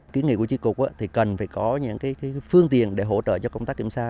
kỷ niệm của chính cục thì cần phải có những phương tiện để hỗ trợ cho công tác kiểm soát